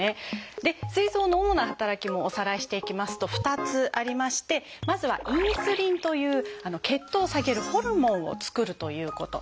ですい臓の主な働きもおさらいしていきますと２つありましてまずは「インスリン」という血糖を下げるホルモンを作るということ。